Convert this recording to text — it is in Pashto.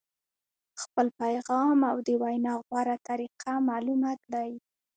خپل پیغام او د وینا غوره طریقه معلومه کړئ.